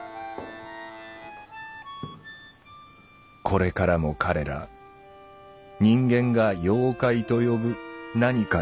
これからも「彼ら」人間が「妖怪」と呼ぶ「何か」